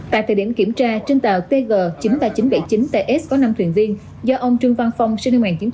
tại thời điểm kiểm tra trên tàu tg chín nghìn ba trăm bảy mươi chín ts có năm thuyền viên do ông trương văn phong sinh năm một nghìn chín trăm sáu mươi chín